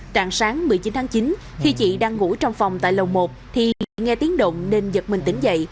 trạng sáng một mươi chín tháng chín khi chị đang ngủ trong phòng tại lầu một thì nghe tiếng động nên giật mình tỉnh dậy